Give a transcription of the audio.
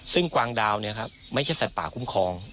ซึ่งกวางดาวไม่ใช่สัตว์ป่าคุ้มครอง